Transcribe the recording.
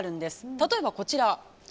例えば、こちら。